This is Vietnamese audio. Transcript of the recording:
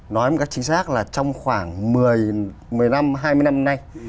nói một cách chính xác là trong khoảng một mươi năm hai mươi năm nay